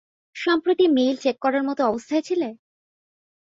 সম্প্রতি mail check করার মতো অবস্থায় ছিলে?